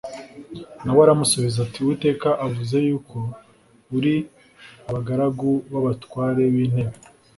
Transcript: Na we aramusubiza ati “Uwiteka avuze yuko ari abagaragu b’abatware b’intebe”